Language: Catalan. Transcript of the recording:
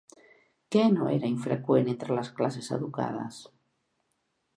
Què no era infreqüent entre les classes educades?